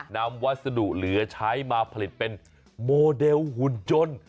วัสดุเหลือใช้มาผลิตเป็นโมเดลหุ่นยนต์